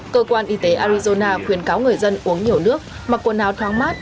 cơ quan y tế arizona khuyến cáo người dân uống nhiều nước mặc quần áo thoáng mát